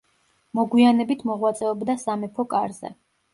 მოგვიანებით მოღვაწეობდა სამეფო კარზე.